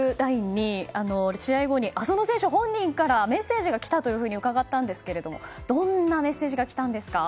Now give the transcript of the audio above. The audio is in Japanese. ＬＩＮＥに試合後に浅野選手本人からメッセージがきたと伺ったんですけどどんなメッセージが来たんですか。